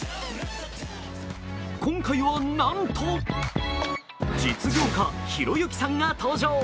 今回はなんと実業家・ひろゆきさんが登場。